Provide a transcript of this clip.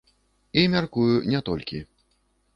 І, мяркую, не толькі.